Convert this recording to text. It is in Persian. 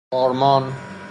بارمان